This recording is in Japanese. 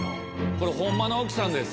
これホンマの奥さんです。